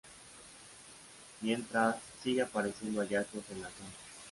Mientras, siguen apareciendo hallazgos en la zona.